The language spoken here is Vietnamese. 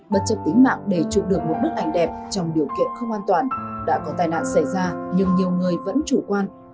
bất chấp tính mạng để chụp được một bức ảnh đẹp trong điều kiện không an toàn đã có tai nạn xảy ra nhưng nhiều người vẫn chủ quan